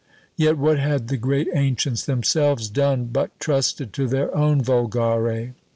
Yet what had the great ancients themselves done, but trusted to their own volgare?